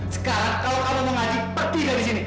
sekarang kalau kamu mau ngaji pergi dari sini